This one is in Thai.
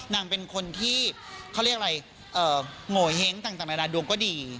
นางเป็นคนที่เขาเรียกอะไรโงเห้งต่างนานาดวงก็ดี